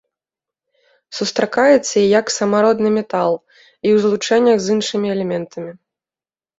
Сустракаецца і як самародны метал, і ў злучэннях з іншымі элементамі.